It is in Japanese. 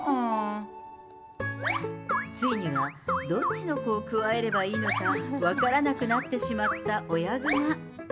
ついには、どっちの子をくわえればいいのか分からなくなってしまった親グマ。